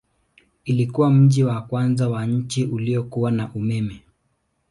Ilikuwa mji wa kwanza wa nchi uliokuwa na umeme.